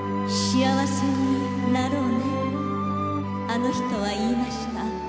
幸せになろうねあの人は言いました